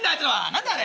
何だあれ！